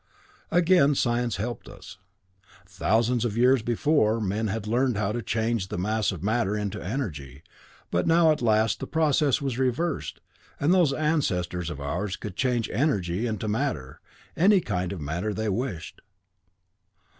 "Again science helped us. Thousands of years before, men had learned how to change the mass of matter into energy, but now at last the process was reversed, and those ancestors of ours could change energy into matter, any kind of matter they wished.